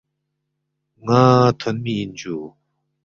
ن٘ا تھونمی اِن جُو